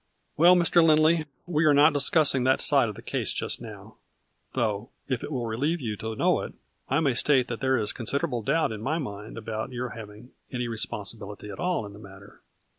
" Well, Mr. Lindley, we are not discussing that side of the case just now, though, if it will relieve you to know it, I may state that there is considerable doubt in my mind about your hav ing any responsibility at all in the matter.